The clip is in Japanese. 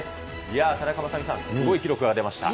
いやぁ、田中雅美さん、すごい記録が出ました。